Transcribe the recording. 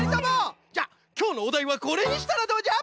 じゃあきょうのおだいはこれにしたらどうじゃ？